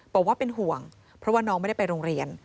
บอกว่าเป็นห่วงเพราะว่าน้องไม่ได้ไปโรงเรียน